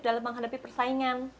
dalam menghadapi persaingan